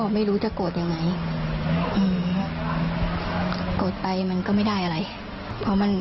มันผ่านไปแล้ว